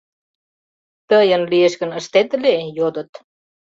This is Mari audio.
— Тыйын лиеш гын, ыштет ыле? — йодыт.